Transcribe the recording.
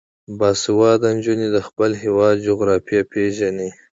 باسواده نجونې د خپل هیواد جغرافیه پیژني.